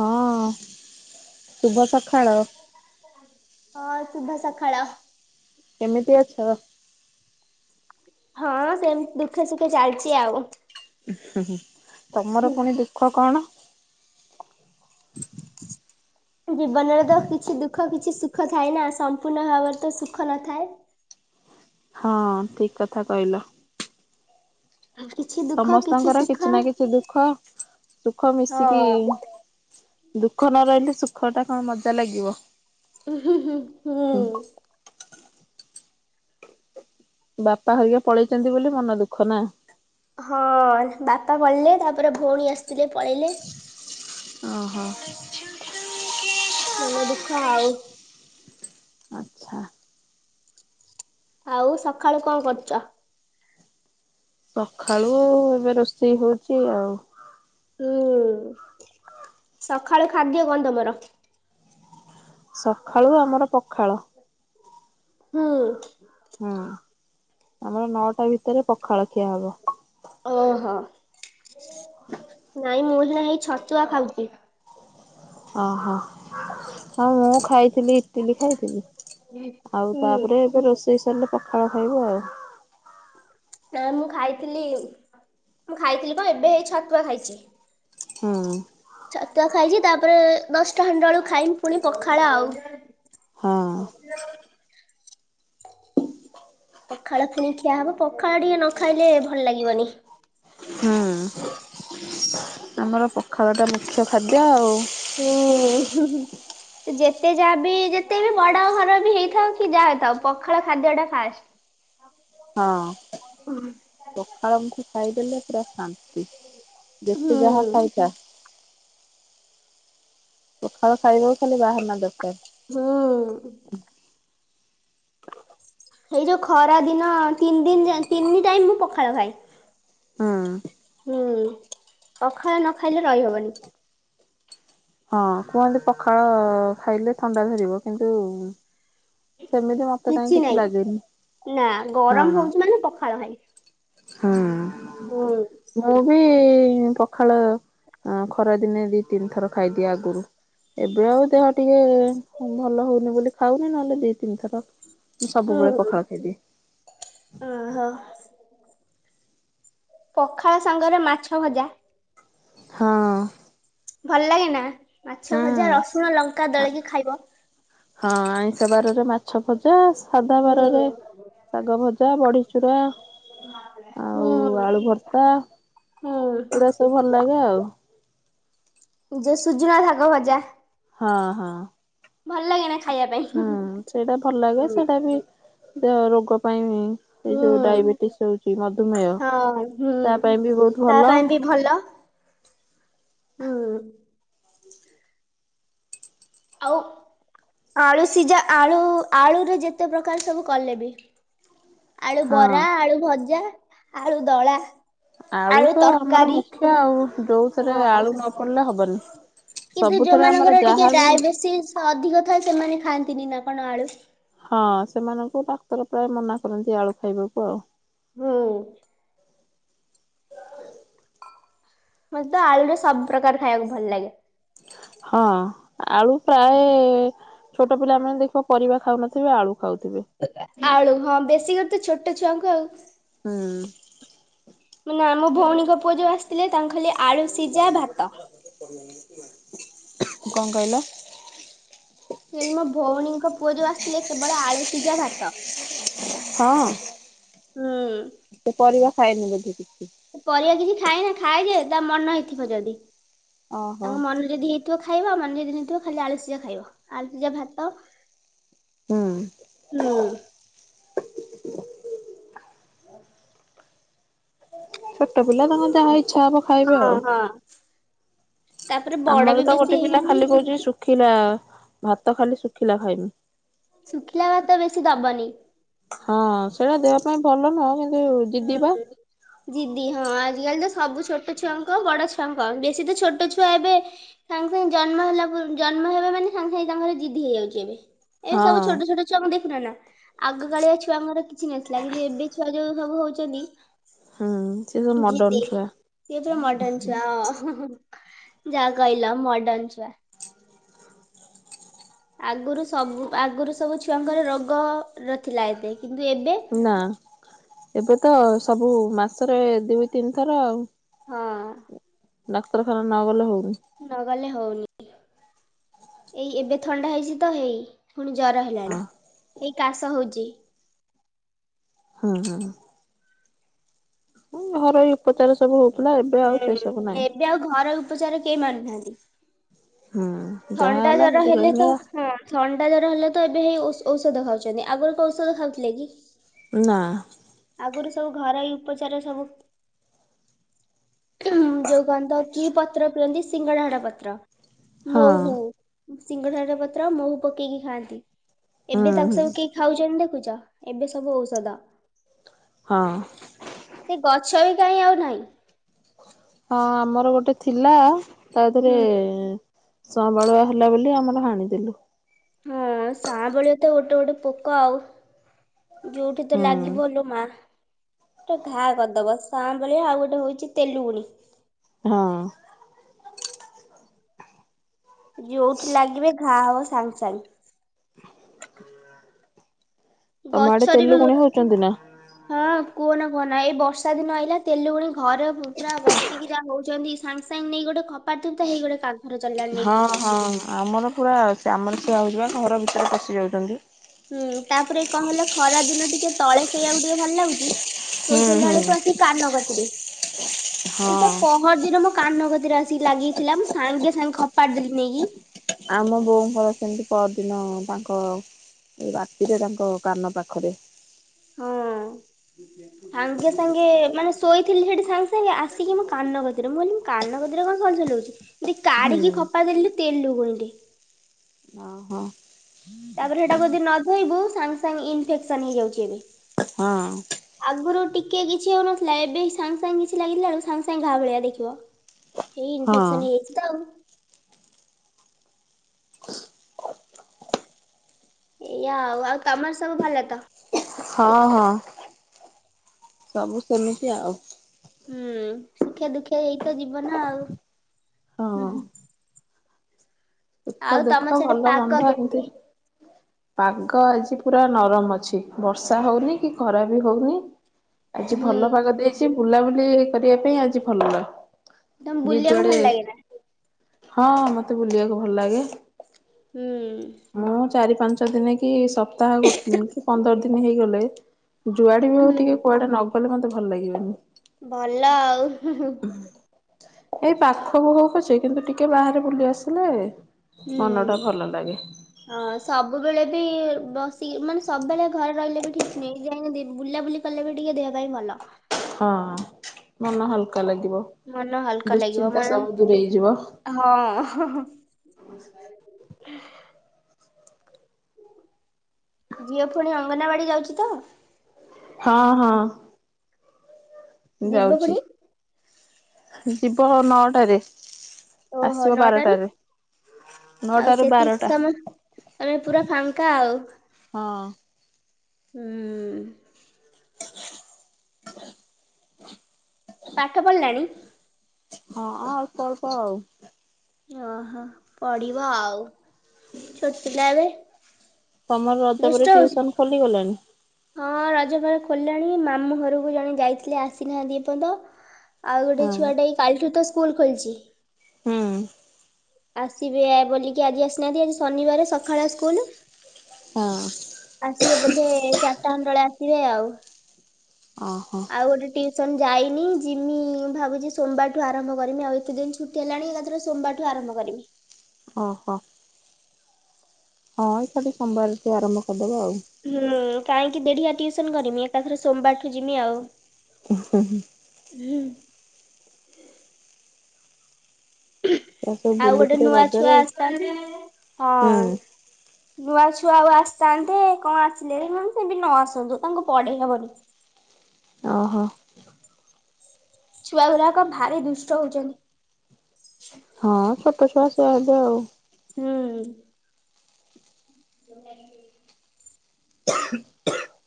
ହଁ ଶୁଭ ସକାଳ। ହଁ, ଶୁଭ ସକାଳ। କେମିତି ଅଛ? ହଁ, ସେମତି ଦୁଃଖେ ସୁଖେ ଚାଲିଛି ଆଉ। ହୁଁ, ହୁଁ। ତମର ପୁଣି ଦୁଃଖ କଣ? ଜୀବନରେ ତ କିଛି ଦୁଃଖ କିଛି ସୁଖ ଥାଏ ନା। ସମ୍ପୂର୍ଣ୍ଣ ଭାବରେ ତ ସୁଖ ନଥାଏ। ହଁ, ଠିକ କଥା କହିଲ। କିଛି ଦୁଃଖ ସମସ୍ତଙ୍କର ସୁଖ କିଛି ନା କିଛି ଦୁଃଖ ସୁଖ ହଁ ମିଶିକି। ଦୁଃଖ ନ ରହିଲେ ସୁଖ ଟା କଣ ମଜା ଲାଗିବ। ଉଁ ହୁଁ ହୁଁ। ବାପା ହେରିକା ପଳେଇଛନ୍ତି ବୋଲି ମନ ଦୁଃଖ ନା? ହଁ ବାପା ପଳେଇଲେ ତାପରେ ଭଉଣୀ ଆସିଥିଲେ ପଳେଇଲେ। ଓ ହୋ। ମନ ଦୁଃଖ ଆଉ। ଆଛା। ଆଉ ସକାଳୁ କଣ କରୁଚ? ସକାଳୁ ଆଉ ଏବେ ରୋଷେଇ ହଉଛି ଆଉ। ହୁଁ ସଖାଳୁ ଖାଦ୍ୟ କଣ ତମର? ସକାଳୁ ଆମର ପଖାଳ ହୁଁ। ହୁଁ ଆମର ନଅଟା ଭିତରେ ପଖାଳଖିଆ ହବ। ଓହୋ ନାଇଁ ମୁଁ ନା ହେଇ ଛତୁଆ ଖାଉଛି। ଓ ହୋ ଆଉ ମୁଁ ଖାଇଥିଲି ଚିଲି ଖାଇଥିଲି ଆଉ ହୁଁ। ତାପରେ ଏବେ ରୋଷେଇ ସାରିଲେ ପଖାଳ ଖାଇବୁ ଆଉ। ନା ମୁଁ ଖାଇଥିଲି ମୁଁ ଖାଇଥିଲି କଣ ଏବେ ହେଇ ଛତୁଆ ଖାଇଛି। ହଁ। ଛତୁଆ ଖାଇଛି। ତାପରେ ଦଶଟା ହାଣ୍ଡ ବେଳୁ ଖାଇମି ପୁଣି ପଖାଳ ଆଉ। ହଁ। ପଖାଳ ପୁଣି ଖିଆ ହବ‌ ପଖାଳ ଟିକେ ନ ଖାଇଲେ ଭଲ ଲାଗିବନି। ହଁ। ଆମର ପୋଖାଳଟା ମୁଖ୍ୟ ଖାଦ୍ୟ ଆଉ। ଉଁ ହୁଁ ଯେତେ ଯାହା ବି ଯେତେ ବି ବଡା ଘର ବି ହେଇଥାଉ କି ଯାହା ହେଇଥାଉ। ପଖାଳ ଖାଦ୍ୟ ଟା ଫାଷ୍ଟ। [unintelligible] ହଁ ପଖାଳ ମୁଠ ଖାଇଦେଲେ ପୁରା ଶାନ୍ତି। ଯେତେ ଯାହା ହୁଁ ଖାଇଥା। ପଖାଳ ଖାଇବାକୁ ଖାଲି ବାହାରନା ଦରକାର। ହୁଁ ଏଇ ଯୋଉ ଖରା ଦିନ। ତିନି ଦିନ ତିନି ଟାଇମ ମୁଁ ପଖାଳ ଖାଏ। ହଁ ହୁଁ, ପଖାଳ ନ ଖାଇଲେ ରହିହବନି। ହଁ, କୁହନ୍ତି ପଖାଳ ଖାଇଲେ ଥଣ୍ଡା ଧରିବ। କିନ୍ତୁ, ସେମିତି ମତେ କାହିଁ କିଛି ନାଇଁ। ଲାଗେନି ନା, ହଁ ଗରମ ହଉଛି ମାନେ ପଖାଳ ଭାଇ ହୁଁ ହୁଁ ମୁଁ ବି ପଖାଳ ଖରା ଦିନେ ଦି, ତିନିଥର ଖାଇଦିଏ ଆଗରୁ। ଏବେଳି ଆଉ ଦେହ ଟିକେ ଭଲ ହଉନି ବୋଲି ଖାଉନି। ନହେଲେ ଦି, ତିନିଥର। ମୁଁ ସବୁବେଳେ ପଖାଳ ଖାଇ ଦିଏ। ଓ ହୋ ପଖାଳ ସାଙ୍ଗରେ ମାଛ ଭଜା। ହଁ ଭଲ ଲାଗେ ନା ମାଛ ହୁଁ ଭଜା ରସୁଣ ଲଙ୍କା ଦଳିକି ଖାଇବ ହଁ ଆଇଁଷ ବାରରେ ମାଛ ଭଜା ସାଧା ହୁଁ ବାରରେ ଶାଗ ଭଜା ବଢ଼ିଚୁରା ହୁଁ ଆଉ ଆଳୁ ଭର୍ତ୍ତା ହୁଁ ଏଗୁଡା ସବୁ ଭଲ ଲାଗେ ଆଉ ଯଉ ସୁଜନା ସାଗ ଭଜା ହଁ ହଁ ଭଲ ଲାଗେ ନା ହୁଁ ସେଇଟା ଭଲ ଲାଗେ ସେଇଟା ବି ଦେ ରୋଗ ପାଇଁ ଏ ଯୋଉ ହୁଁ ଡାଇବେଟିସ ହଉଛି ମଧୁମେହ ହଁ ହୁଁ ତା ପାଇଁ ବି ବହୁତ ତା ଭଲ। ପାଇଁ ବି ଭଲ ହୁଁ ଆଉ ଆଳୁ ସିଝା ଆଳୁ ଆଳୁରେ ଯେତେ ପ୍ରକାର ସବୁ କଲେ ବି ଆଳୁ ହଁ ବରା ଆଳୁ ଭଜା ଆଳୁ ଦଳା ଆଳୁ ତ ଆମର ମୁଖ୍ୟ ଆଉ ଯଉଥିରେ ହଁ ଆଳୁ ନ ପଡିଲେ ହବନି। କିନ୍ତୁ ସବୁଥିରେ ଆମର ଯୋଉମାନଙ୍କର ଟିକେ ଯାହାବି ଡାଇବେଟିସ ବେଶୀ ଅଧିକ ଥାଏ ସେମାନେ ଖାଆନ୍ତିନି ନା କଣ ଆଳୁ? ହଁ ସେମାନଙ୍କୁ ଡାକ୍ତର ପ୍ରାୟ ମନା କରନ୍ତି ଆଳୁ ଖାଇବାକୁ। ହୁଁ ମୋତେ ଆଳୁରେ ସବୁ ପ୍ରକାର ଖାଇବାକୁ ଭଲ ଲାଗେ। ହଁ ଆଳୁ ପ୍ରାୟ ଛୋଟ ପିଲାମାନେ ଦେଖିବ ପରିବା ଖାଉନଥିବେ ଆଳୁ ଖାଉଥିବେ। ଆଳୁ ହଁ ବେଶୀଘର ତ ଛୋଟ ଛୁଆଙ୍କୁ ଆଉ ହୁଁ ମାନେ ଆମ ଭଉଣୀଙ୍କ ପୁଅ ଯୋଉ ଆସିଥିଲେ ତାଙ୍କୁ ଖାଲି ଆଳୁ ସିଝା ଭାତ କଣ କହିଲ? କହିଲି ମୋ ଭଉଣୀଙ୍କ ପୁଅ ଯୋଉ ଆସିଥିଲେ କେବଳ ଆଳୁ ସିଜା ଭାତ ହଁ ହୁଁ ସେ ପରିବା ଖାଏନି ବୋଧେ କିଛି? ପରିବା କିଛି ଖାଇନା ଖାଏ ଯେ ତା ମନ ହେଇଥିବ ଯଦି ଓହୋ। ତାଙ୍କ ମନ ଯଦି ହେଇଥିବ ଖାଇବା ମାନେ ଯଦି ହେଇଥିବ ଖାଲି ଆଳୁସିଜା ଖାଇବା ଆଳୁସିଜା ଭାତ ହୁଁ। ହୁଁ ଛୋଟ ପିଲା ତାଙ୍କର ଯାହା ଇଚ୍ଛା ହବ ଖାଇବେ ହଁ ଆଉ। ହଁ। ତାପରେ ବଡ ବି ଆମର ତ ବେଶୀ ଗୋଟେ ପିଲା ହେଇନାହାନ୍ତି ଖାଲି କହୁଛି ଶୁଖିଲା ଭାତ ଖାଲି ଶୁଖିଲା ଖାଇବି। ଶୁଖିଲା ଭାତ ବେଶୀ ଦବନି। ହଁ ସେଇଟା ଦେହ ପାଇଁ ଭଲ ନୁହଁ କିନ୍ତୁ ଜିଦି ବା [unintelligible] ଜିଦି ହଁ ଆଜିକାଲି ତ ସବୁ ଛୋଟ ଛୁଆଙ୍କ ବଡ ଛୁଆଙ୍କ ବେଶୀ ତ ଛୋଟ ଛୁଆ ଏବେ ସାଙ୍ଗେ ସାଙ୍ଗେ ଜନ୍ମ ହେଲା ଜନ୍ମ ହେବା ମାନେ ସାଙ୍ଗେ ସାଙ୍ଗେ ତାଙ୍କର ଜିଦି ହେଇଯାଉଛି ଏବେ। ଏବେ ହଁ। ସବୁ ଛୋଟ ଛୋଟ ଛୁଆଙ୍କୁ ଦେଖୁନ ନା ଆଗକାଳିଆ ଛୁଆଙ୍କର କିଛି ନଥିଲା କିନ୍ତୁ ଏବେ ଛୁଆ ଯୋଉ ସବୁ ହଉଛନ୍ତି ହୁଁ ସେ ସବୁ ଜିଦି ମଡର୍ଣ ଛୁଆ ସେତ ମଡନ ଛୁଆ ହଁ ହଁ ହଁ। ଯାହା କହିଲ ମଡନ ଛୁଆ। ଆଗରୁ ସବୁ ଆଗରୁ ସବୁ ଛୁଆଙ୍କର ରୋଗ ନ ଥିଲା ଏତେ କିନ୍ତୁ ଏବେ ନା ଏବେ ତ ସବୁ ମାସରେ ଦୁଇ ତିନି ଥର ଆଉ ହଁ। ଡାକ୍ତରଖାନା ନ ଗଲେ ହଉନି। ନ ଗଲେ ହଉନି ଏଇ ଏବେ ଥଣ୍ଡା ହେଇଛି ତ ହେଇ ପୁଣି ଜର ହେଲାଣି ଏଇ କାଶ ହଉଚି। ହୁଁ ହୁଁ। ହଁ ଘରୋଇ ଉପଚାର ସବୁ ହଉଥିଲା ଏବେ ହୁଁ ଆଉ ସେ ସବୁ ନାହିଁ। ଏବେ ଆଉ ଘରେଇ ଉପଚାର କେହି ମାନୁନାନ୍ତି। ହୁଁ। ଯାହା ଥଣ୍ଡା ହେଲା ଜର ମେଡିକାଲ ହେଲେ ତ ହଁ ଥଣ୍ଡା ଜର ହେଲେ ତ ଏବେ ହେଇ ଔଷ ଔଷଧ ଖାଉଛନ୍ତି ଆଗରୁ କଣ ଔଷଧ ଖାଉଥିଲେ କି? ନାଁ। ଆଗୁରୁ ସବୁ ଘରୋଇ ଉପଚାର ସବୁ ଉଁ ଯୋଉ କଣତ କି ପତ୍ର ପିିଅନ୍ତି ସିଙ୍ଗଡା ହାଡ ପତ୍ର। ହଁ ମହୁ ସିଙ୍ଗଡ଼ା ହାର ପତ୍ର ମହୁ ପକେଇକି ଖାଆନ୍ତି ହୁଁ ଏବେ ତାକୁ ହୁଁ। ସବୁ କେହି ଖାଉଛନ୍ତି ଦେଖୁଛ ଏବେ ସବୁ ଔଷଦ। ହଁ। ସେ ଗଛ ବି କାଇଁ ଆଉ ନାହିଁ। ହଁ ଆମର ଗୋଟେ ଥିଲା ତା ଧେରେ ହୁଁ ଏ ସଁବାଳୁଆ ହେଲା ବୋଲି ଆମର ହାଣିଦେଲୁ। ହଁ ସାଆଁ ବାଳୁଆ ତ ଗୋଟେ ଗୋଟେ ପୋକ ଆଉ। ଯୋଉଠି ତ ହୁଁ। ଲାଗିବ ଲୋ ମା ପୁରା ଘା କରିଦବ ସାଁ ବାଳିଆ ଆଉ ଗୋଟେ ହଉଛି ତେଲୁଗୁଣି। ହଁ। ଯୋଉଠି ଲାଗିବେ ଘା ହବ ସାଙ୍ଗେ ସାଙ୍ଗେ। ତମ ଆଡେ ଗଛରେ ବି ତେଲୁଗୁଣି ହଉଛନ୍ତି ନା? ହଁ କୁହନା କୁହନା ଏଇ ବର୍ଷା ଦିନ ଆଇଲା ତେଲୁଗୁଣି ଘରେ ପୁରା ବର୍ଷ ସେଟା ହଉଛନ୍ତି ସାଙ୍ଗେ ସାଙ୍ଗେ ନେଇ ଗୋଟେ ଖପା ଦନ୍ ହେଇଟେ କା [unintelligible] ହଁ ହଁ ଆମର ପୁରା ଆମର ସେଇଆ ହଉଛି ବା ଘର ଭିତରେ ପଶି ଯାଉଛନ୍ତି। ହୁଁ ତାପରେ କଣ ହେଲା ଖରା ଦିନ ଟିକେ ତଳେ ସୋଇବାକୁ ଟିକେ ଭଲ ଲାଗୁଛି। ଓପରେ ହୁଁ ଶୋଇଲା ହୁଁ। ବେଳକୁ ଆସି କାନକତିରେ ଏଇଟା ହଁ କଣ? ପରଦିନ ମୋ କାନକତିରେ ଆସିକି ଲାଗିଥିଲା ମୁଁ ସାଙ୍ଗେ ସାଙ୍ଗେ ଖପାଡ଼ି ଦେଲି ନେଇକି। ଆମ ବୋଉଙ୍କର ସେମିତି ପରଦିନ ତାଙ୍କ ଏଇ ରାତିରେ ତାଙ୍କ କାନ ପାଖରେ। ହଁ। ଏଠ [inaudible] ସାଙ୍ଗେ ସାଙ୍ଗେ ମାନେ ଶୋଇଥିଲି ସେଠି ସାଙ୍ଗେ ସାଙ୍ଗେ ଆସିକି ମୋ କାନକତିରେ ମୁଁ କହିଲି ମୋ କାନକତିରେ କଣ ସଲ ସଲ ହଉଚି ଦି ହୁଁ। କାଢ଼ିକି ଖପାଡିଦେଲି ତେଲୁ ଗୁଣିଟେ। ଓ ହଁ। ତାପରେ ସେଟାକୁ ଯଦି ନ ଧୋଇବୁ ସାଙ୍ଗ୍ ସାଙ୍ଗ୍ ଇନଫେକ୍ସନ ହେଇଯାଉଚିଏବେ। ହଁ। ଆଗୁରୁ ଟିକେ କିଛି ହୋଉନଥିଲା ଏବେ ସାଙ୍ଗ୍ ସାଙ୍ଗ୍ କିଛି ଲାଗିଥିଲା ବେଳେ ସାଙ୍ଗ୍ ସାଙ୍ଗ୍ ଘା ଭଳିଆ ଦେଖିବ। ହେଇ ହଁ ଇଫେକ୍ସନ ହେଇଚି ତ ଆଉ। ଏଇଆ ଆଉ ଆଉ ତମର ସବୁ ଭଲ ତ। ହଁ ହଁ। ସବୁ ସେମିତି ଆଉ। ହୁଁ ସୁଖେ ଦୁଃଖେ ଏଇତ ଯିବନ ଆଉ ହୁଁ ହଁ ହୁଁ। ସୁଖ ଆଉ ତମ ଦୁଃଖ ସେଟି ଭଲ ମନ୍ଦ ପାଗ ଏମିତି କେମିତି। ପାଗ ଆଜି ପୁରା ନରମ ଅଛି ବର୍ଷା ହୋଉନି କି ଖରା ବି ହୋଉନି। ଆଜି ହୁଁ ଭଲ ପାଗ ଦେଇଚି ବୁଲାବୁଲି କରିବା ପାଇଁ ଆଜି ଭଲ ତମକୁ ଯିଏ ବୁଲିବାକୁ ଭଲ ଜୁଆଡେ ଲାଗେ ନା? ହଁ ମତେ ବୁଲିବାକୁ ଭଲ ଲାଗେ। ହୁଁ। ମୁଁ ଚାରି ପାଞ୍ଚ ଦିନି କି ସପ୍ତାହ ଗୋ କି ପନ୍ଦର ଦିନି ହେଇଗଲେ ଯୁଆଡେ ବି ହଉ ହୁଁ। ଟିକେ କୁଆଡେ ନ ଗଲେ ମତେ ଭଲ ଲାଗିବନି। ଭଲ ଆଉ ହୁଁ ହୁଁ। ଏଇ ପାଖ କୁ ପଛେ କିନ୍ତୁ ଟିକେ ବାହାରେ ବୁଲି ଆସିଲେ ହୁଁ ମନ ଟା ଭଲ ଲାଗେ। ହଁ ସବୁବେଳେ ବି ବସି କି ମାନେ ସବବେଳେ ଘରେ ରହିଲେ ବି ଠିକ ନୁହେଁ ଯାଇ ବୁଲାବୁଲି କଲବି ଟିକେ ଦେହ ପାଇଁ ଭଲ। ହଁ ହଁ ମନ ହାଲକା ଲାଗିବ ମନ ହାଲକା ଲାଗିବ ଦୁଶ୍ଚିନ୍ତା ମନ ସବୁ ଦୂରେଇ ଯିବ। ହଁ ଝିଅ ଫୁଣି ଅଙ୍ଗନବାଡି ଯାଉଛି ତ। ହଁ ହଁ। ଯିବ ଯାଉଛି ପୁଣି ଯିବ ହଅ ନଅଟାରେ। ଓହୋ ଆସିବ ନଅଟାରୁ ବାରଟାରେ। ଆଉ ନଅଟାରୁ ସେତି ବାରଟା। ସମ ତମେ ପୁରା ଫାଙ୍କା ଆଉ। ହଁ। ହୁଁ। [inaudible] [inaudible] ପାଠ ପଢିଲାଣି। ହଁ ଅଳ୍ପ ଅଳ୍ପ ଆଉ। ଓହୋ ପଢିବ ଆଉ ଛୋଟ ପିଲା ଏବେ। ତମର ରଜ ଦୁଷ୍ଟ ପରେ ହଉଛି ଟ୍ୟୁସନ ଖୋଲିଗଲାଣି। ହଁ ରଜ ପରେ ଖୋଲିଲାଣି ମାମୁଁ ଘରକୁ ଜଣେ ଯାଇଥିଲେ ଆସିନାହାନ୍ତି ଏପନ୍ତ। ଆଉ ଗୋଟେ ହଁ ଛୁଆଟା ଏଇ କାଲିଠୁ ତ ସ୍କୁଲ ଖୋଲିଚି। ହୁଁ ଆସିବେ ବୋଲିକି ଆଜି ଆସିନାହାନ୍ତି ଆଜି ଶନିବାର ସକାଳଆ ସ୍କୁଲ। ହଁ। ଆସିବେ ବୋଧେ ଚାରିଟା ଖଣ୍ଣ୍ଡେ ବେଳେ ଆସିବେ ଆଉ। ଓହୋ। ଆଉ ଗୋଟେ ଟ୍ୟୁସନ ଯାଇନି ଯିମି ମୁଁ ଭାବୁଛି ସୋମବାରଠୁ ଆରମ୍ଭ କରିମି ଆଉ ଏତେ ଦିନ ଛୁ ଟି ହେଲାଣି ଏକାତିରେ ସୋମବାରଠୁ ଆରମ୍ଭ କରିବି। ଓହୋ। ହଁ ଏକାଇଠି ସୋମବାର ଠୁ ଆରମ୍ଭ କରିଦବ ଆଉ। ହୁଁ କାହିଁକି ଦେଢିଆ ଟ୍ୟୁଉସନ କରିମି ଏକାଥରେ ସୋମବାରଠୁ ଯିବି ଆଉ ଉ ହୁଁ ହୁଁ। ହୁଁ। ଛୁଆ ସବୁ ଆଉ ଗୋଟେ ବୁଲୁଥିଲେ ନୂଆ ଛୁଆ ରଜରେ ଆସିଥାନ୍ତି ହଁ ହୁଁ ନୂଆ ଛୁଆ ଆଉ ଆସିଥାନ୍ତେ କଣ ଆସିଲେ ମାନେ ସେବି ନ ଆସନ୍ତୁ ତାଙ୍କୁ ପଢେଇ ହବନି ଓହୋ ଛୁଆ ଗୁଡ଼ାକ ଭାରି ଦୁଷ୍ଟ ହଉଛନ୍ତି ହଁ ଛୋଟ ଛୁଆ ସୁଆ ହେବେ ଆଉ ହୁଁ। [inaudible] [inaudible]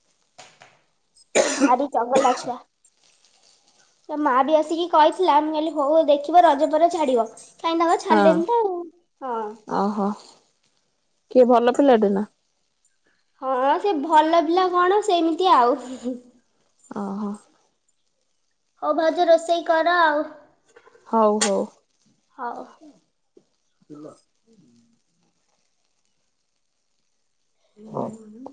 ସେ ଭାରି ଚଗଲା ଛୁଆ ତା ମା ବି ଆସିକି କହିଥିଲା ମୁଁ କହିଲି ହଉ ଦେଖିବା ରଜପରେ ଛାଡିବ। କାଇଁ ତାଙ୍କ ଛାଡିଲେନି ତ ଆଉ ହଁ ଅହ କିଏ ଭଲ ପିଲାଟେ ନା ହଁ ସେ ଭଲ ପିଲା କଣ ସେମିତି ଆଉ ଅହ। ହଉ ଭାଉଜ ରୋଷେଇ କର ଆଉ ହଉ ହଉ ହଉ। ହୁଁ ହୁଁ [inaudible]